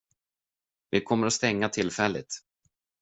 Vi kommer att stänga tillfälligt.